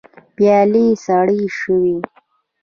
پيالې سړې شوې.